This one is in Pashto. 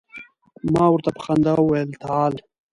ما ورته په خندا وویل تعال.